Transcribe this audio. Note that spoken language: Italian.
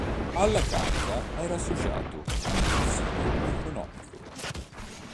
Alla carica era associato un sussidio economico.